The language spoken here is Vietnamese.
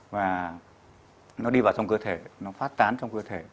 và nó đi vào trong cơ thể nó phát tán trong cơ thể